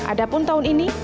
adapun tahun ini